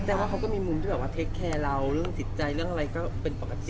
ว่าเขาก็มีมุมที่แบบว่าเทคแคร์เราเรื่องจิตใจเรื่องอะไรก็เป็นปกติ